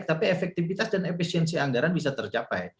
tapi efektivitas dan efisiensi anggaran bisa tercapai